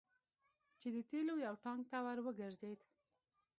چې د تیلو یو ټانګ ته ور وګرځید.